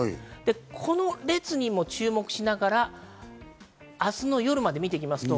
この列にも注目しながら、明日の夜まで見てきます。